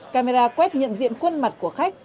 camera quét nhận diện khuôn mặt của khách